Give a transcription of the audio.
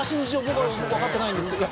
僕は分かってないんですけど。